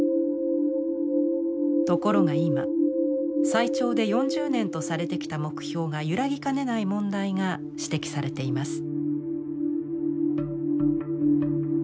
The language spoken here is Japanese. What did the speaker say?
ところが今最長で４０年とされてきた目標が揺らぎかねない問題が指摘されています。